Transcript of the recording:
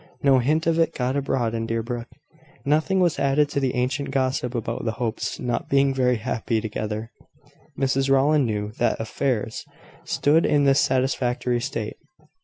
No hint of it got abroad in Deerbrook: nothing was added to the ancient gossip about the Hopes not being very happy together. Mrs Rowland knew that affairs stood in this satisfactory state.